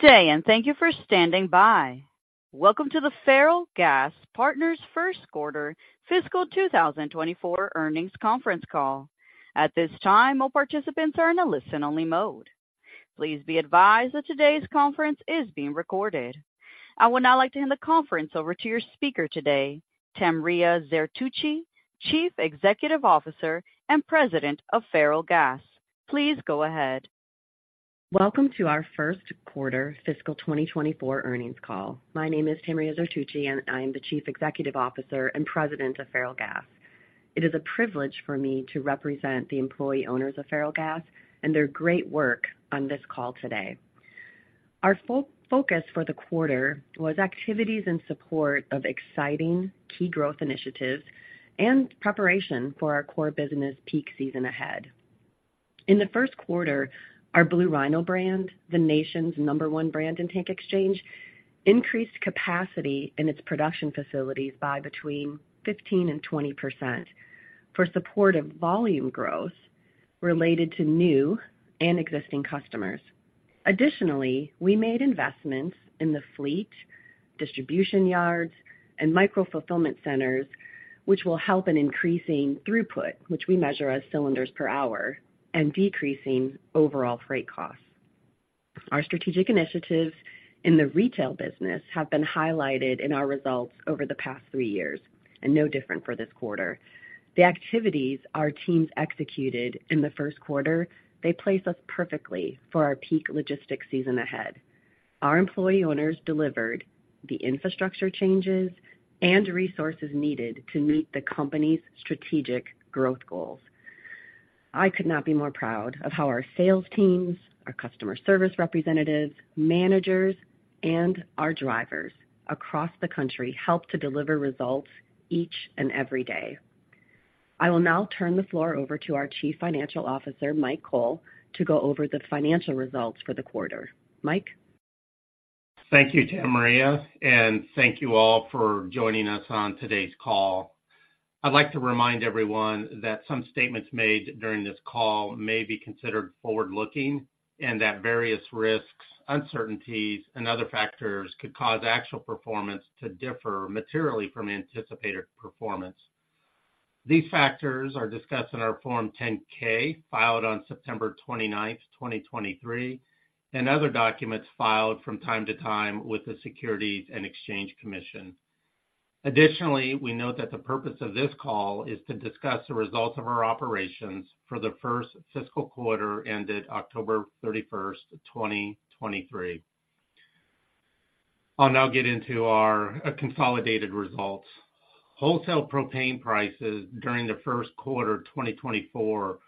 Good day, and thank you for standing by. Welcome to the Ferrellgas Partners first quarter fiscal 2024 earnings conference call. At this time, all participants are in a listen-only mode. Please be advised that today's conference is being recorded. I would now like to hand the conference over to your speaker today, Tamria Zertuche, Chief Executive Officer and President of Ferrellgas. Please go ahead. Welcome to our first quarter fiscal 2024 earnings call. My name is Tamria Zertuche, and I am the Chief Executive Officer and President of Ferrellgas. It is a privilege for me to represent the employee owners of Ferrellgas and their great work on this call today. Our focus for the quarter was activities in support of exciting key growth initiatives and preparation for our core business peak season ahead. In the first quarter, our Blue Rhino brand, the nation's number one brand in tank exchange, increased capacity in its production facilities by between 15% and 20% for supportive volume growth related to new and existing customers. Additionally, we made investments in the fleet, distribution yards, and micro-fulfillment centers, which will help in increasing throughput, which we measure as cylinders per hour, and decreasing overall freight costs. Our strategic initiatives in the retail business have been highlighted in our results over the past three years and no different for this quarter. The activities our teams executed in the first quarter. They place us perfectly for our peak logistics season ahead. Our employee owners delivered the infrastructure changes and resources needed to meet the company's strategic growth goals. I could not be more proud of how our sales teams, our customer service representatives, managers, and our drivers across the country help to deliver results each and every day. I will now turn the floor over to our Chief Financial Officer, Mike Cole, to go over the financial results for the quarter. Mike? Thank you, Tamria, and thank you all for joining us on today's call. I'd like to remind everyone that some statements made during this call may be considered forward-looking and that various risks, uncertainties, and other factors could cause actual performance to differ materially from anticipated performance. These factors are discussed in our Form 10-K, filed on September 29, 2023, and other documents filed from time to time with the Securities and Exchange Commission. Additionally, we note that the purpose of this call is to discuss the results of our operations for the first fiscal quarter ended October 31, 2023. I'll now get into our consolidated results. Wholesale propane prices during the first quarter of 2024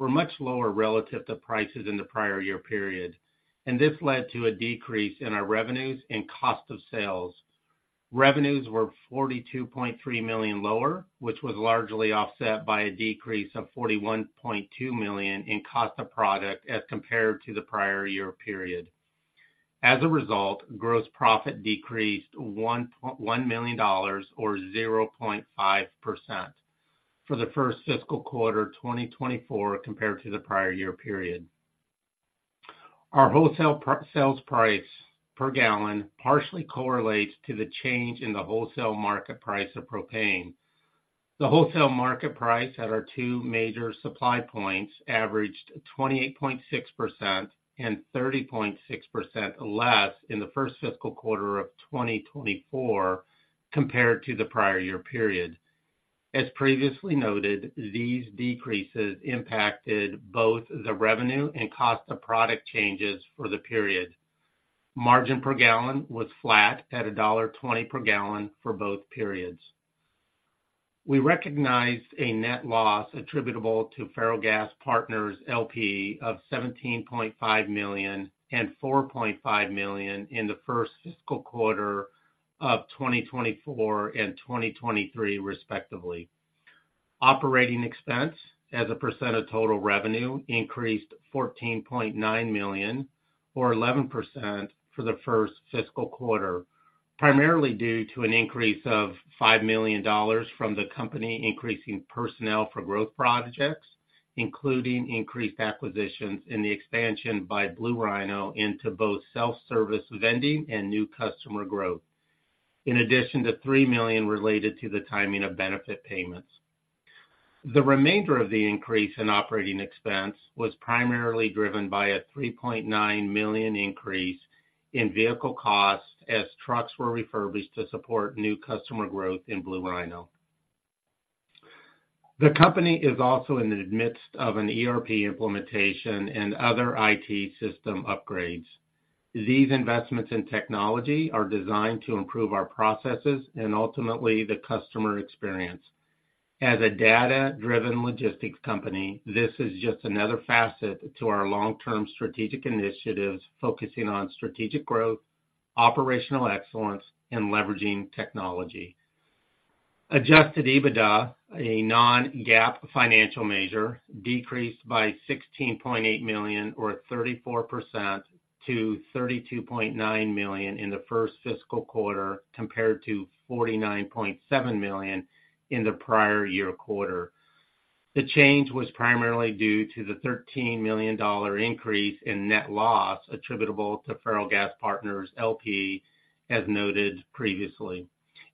were much lower relative to prices in the prior year period, and this led to a decrease in our revenues and cost of sales. Revenues were $42.3 million lower, which was largely offset by a decrease of $41.2 million in cost of product as compared to the prior year period. As a result, gross profit decreased $1 million, or 0.5% for the first fiscal quarter 2024, compared to the prior year period. Our wholesale sales price per gallon partially correlates to the change in the wholesale market price of propane. The wholesale market price at our two major supply points averaged 28.6% and 30.6% less in the first fiscal quarter of 2024 compared to the prior year period. As previously noted, these decreases impacted both the revenue and cost of product changes for the period. Margin per gallon was flat at $1.20 per gallon for both periods. We recognized a net loss attributable to Ferrellgas Partners, L.P., of $17.5 million and $4.5 million in the first fiscal quarter of 2024 and 2023, respectively. Operating expense as a percent of total revenue increased $14.9 million, or 11%, for the first fiscal quarter, primarily due to an increase of $5 million from the company, increasing personnel for growth projects, including increased acquisitions in the expansion by Blue Rhino into both self-service vending and new customer growth. In addition to $3 million related to the timing of benefit payments. The remainder of the increase in operating expense was primarily driven by a $3.9 million increase in vehicle costs as trucks were refurbished to support new customer growth in Blue Rhino. The company is also in the midst of an ERP implementation and other IT system upgrades. These investments in technology are designed to improve our processes and ultimately the customer experience. As a data-driven logistics company, this is just another facet to our long-term strategic initiatives, focusing on strategic growth, operational excellence, and leveraging technology. Adjusted EBITDA, a non-GAAP financial measure, decreased by $16.8 million, or 34% to $32.9 million in the first fiscal quarter, compared to $49.7 million in the prior year quarter. The change was primarily due to the $13 million increase in net loss attributable to Ferrellgas Partners, L.P., as noted previously,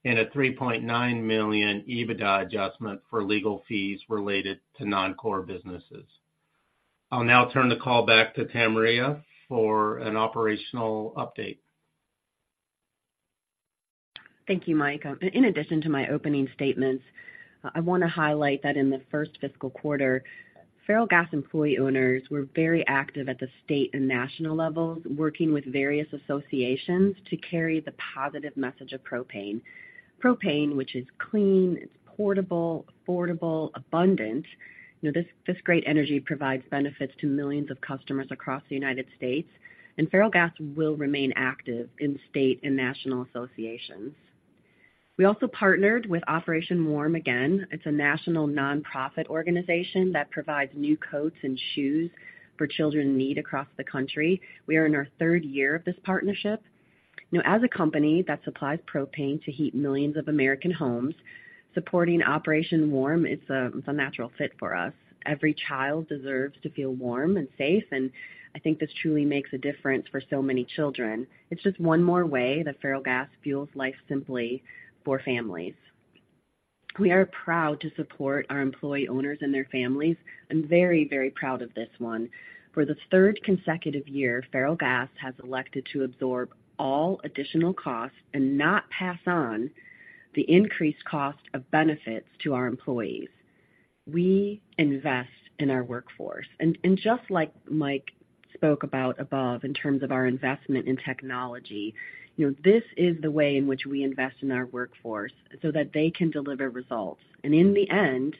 and a $3.9 million EBITDA adjustment for legal fees related to non-core businesses. I'll now turn the call back to Tamria for an operational update. Thank you, Mike. In addition to my opening statements, I want to highlight that in the first fiscal quarter, Ferrellgas employee owners were very active at the state and national levels, working with various associations to carry the positive message of propane. Propane, which is clean, it's portable, affordable, abundant. You know, this, this great energy provides benefits to millions of customers across the United States, and Ferrellgas will remain active in state and national associations. We also partnered with Operation Warm again. It's a national nonprofit organization that provides new coats and shoes for children in need across the country. We are in our third year of this partnership. Now, as a company that supplies propane to heat millions of American homes, supporting Operation Warm is a, it's a natural fit for us. Every child deserves to feel warm and safe, and I think this truly makes a difference for so many children. It's just one more way that Ferrellgas fuels life simply for families. We are proud to support our employee owners and their families, and very, very proud of this one. For the third consecutive year, Ferrellgas has elected to absorb all additional costs and not pass on the increased cost of benefits to our employees. We invest in our workforce, and just like Mike spoke about above, in terms of our investment in technology, you know, this is the way in which we invest in our workforce so that they can deliver results. In the end,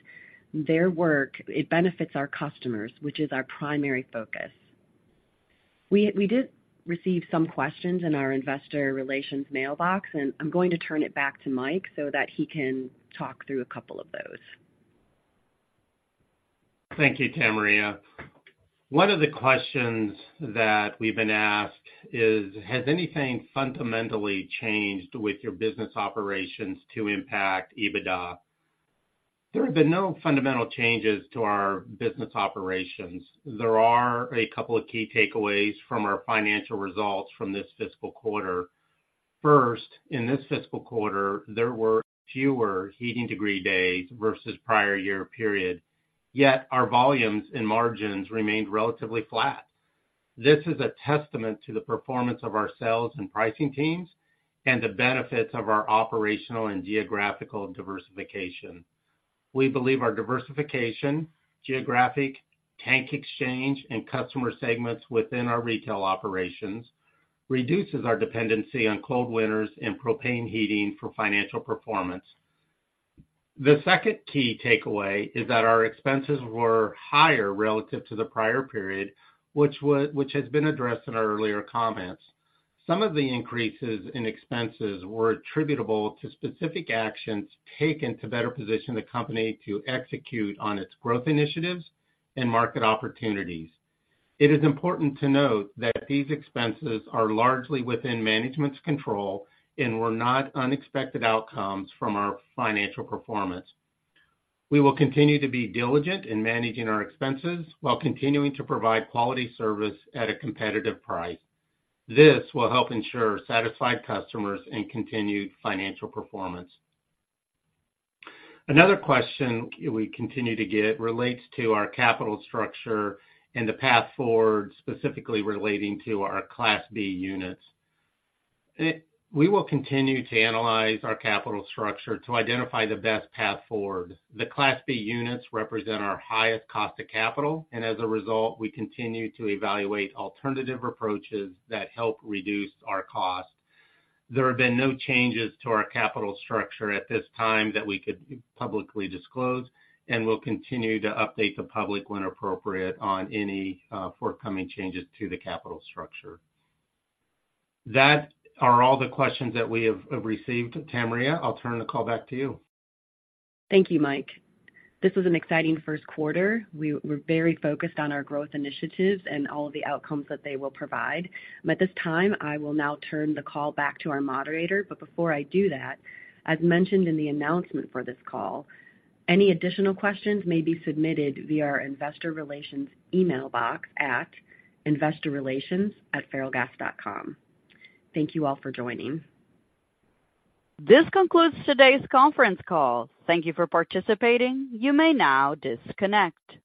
their work, it benefits our customers, which is our primary focus. We did receive some questions in our Investor Relations mailbox, and I'm going to turn it back to Mike so that he can talk through a couple of those. Thank you, Tamria. One of the questions that we've been asked is: Has anything fundamentally changed with your business operations to impact EBITDA? There have been no fundamental changes to our business operations. There are a couple of key takeaways from our financial results from this fiscal quarter. First, in this fiscal quarter, there were fewer heating degree days versus prior year period, yet our volumes and margins remained relatively flat. This is a testament to the performance of our sales and pricing teams, and the benefits of our operational and geographic diversification. We believe our diversification, geographic, tank exchange, and customer segments within our retail operations, reduces our dependency on cold winters and propane heating for financial performance. The second key takeaway is that our expenses were higher relative to the prior period, which has been addressed in our earlier comments. Some of the increases in expenses were attributable to specific actions taken to better position the company to execute on its growth initiatives and market opportunities. It is important to note that these expenses are largely within management's control and were not unexpected outcomes from our financial performance. We will continue to be diligent in managing our expenses while continuing to provide quality service at a competitive price. This will help ensure satisfied customers and continued financial performance. Another question we continue to get relates to our capital structure and the path forward, specifically relating to our Class B units. We will continue to analyze our capital structure to identify the best path forward. The Class B units represent our highest cost of capital, and as a result, we continue to evaluate alternative approaches that help reduce our cost. There have been no changes to our capital structure at this time that we could publicly disclose, and we'll continue to update the public when appropriate on any forthcoming changes to the capital structure. That are all the questions that we have received. Tamria, I'll turn the call back to you. Thank you, Mike. This was an exciting first quarter. We're very focused on our growth initiatives and all of the outcomes that they will provide. At this time, I will now turn the call back to our moderator. But before I do that, as mentioned in the announcement for this call, any additional questions may be submitted via our Investor Relations email box at investorrelations@ferrellgas.com. Thank you all for joining. This concludes today's conference call. Thank you for participating. You may now disconnect.